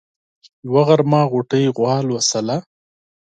يوه غرمه غوټۍ غوا لوشله.